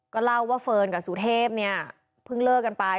ก็เล่าว่าเฟิร์นกับสุเทพเนี่ยเพิ่งเลิกกันไป